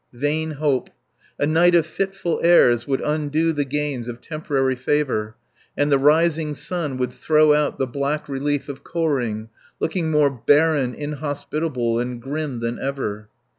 Vain hope. A night of fitful airs would undo the gains of temporary favour, and the rising sun would throw out the black relief of Koh ring looking more barren, inhospitable, and grim than ever.